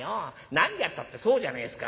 何がったってそうじゃねえですか。